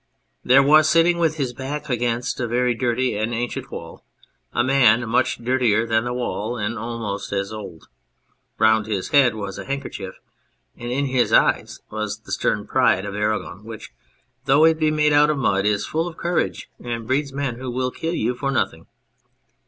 There was sitting with his back against a very dirty and ancient wall a man much dirtier than the wall and almost as old. Round his head was a handkerchief, and in his eyes was the stern pride of Aragon, which, though it be made out of mud, is full of courage, and breeds men who will kill you for nothing.